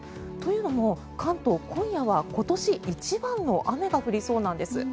というのも関東、今夜は今年一番の雨が降りそうなんです。